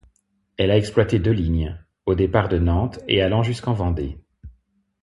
Elle a exploitée deux lignes, au départ de Nantes et allant jusqu'en Vendée.